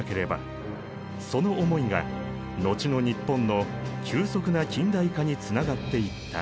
その思いが後の日本の急速な近代化につながっていった。